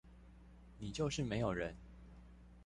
你就是沒有人